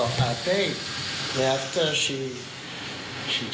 ฉันกำลังจัดเงิน